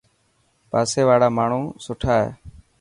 پاسي واڙا ماڻهو سٺا هي.